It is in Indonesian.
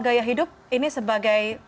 gaya hidup ini sebagai